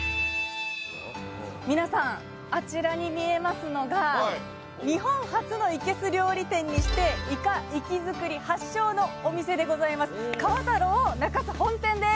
皆さんあちらに見えますのが日本初の生け簀料理店にしてイカ活き造り発祥のお店でございます河太郎中洲本店です。